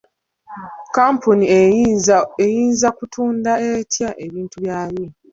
Kampuni eyinza kutunda etya ebintu byayo?